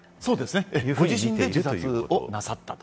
ご自身で自殺をなさったと。